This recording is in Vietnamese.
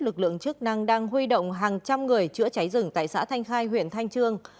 lực lượng chức năng đang huy động hàng trăm người chữa cháy rừng tại xã thanh khai huyện thanh trương